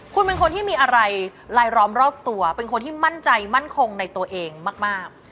คุณเป็นคนที่มีอะไรลายล้อมรอบตัวเป็นคนที่มั่นใจมั่นคงในตัวเองมาก